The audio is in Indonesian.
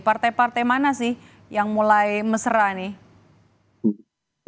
partai partai mana sih yang mulai mesra nih